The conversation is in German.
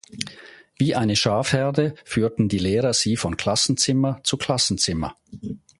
Wie eine Schafherde führten die Lehrer sie von Klassenzimmer zu Klassenzimmer.